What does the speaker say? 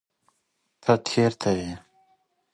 ته چرته یې؟